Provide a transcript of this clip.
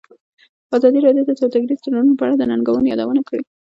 ازادي راډیو د سوداګریز تړونونه په اړه د ننګونو یادونه کړې.